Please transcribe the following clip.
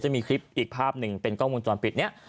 จะมีคลิปอีกภาพหนึ่งเป็นกล้องวงจรปิดนี้